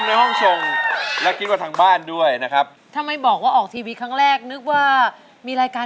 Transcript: ฟื้นใจของสุดประถมแสนทรมาน